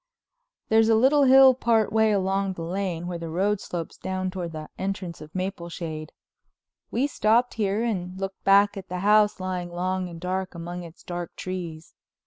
There's a little hill part way along the Lane where the road slopes down toward the entrance of Mapleshade. We stopped here and looked back at the house lying long and dark among its dark trees.